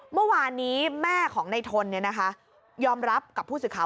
เมื่อวานนี้แม่ของในทนยอมรับกับผู้สื่อข่าว